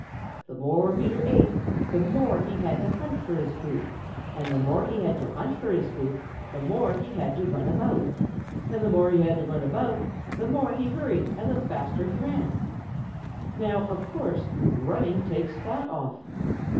The more Peter ate, the more he had to hunt for his food; and the more he had to hunt for his food, the more he had to run about; and the more he had to run about, the more he hurried and the faster he ran. Now, of course running takes fat off.